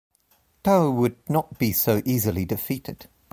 Tau would not be so easily defeated.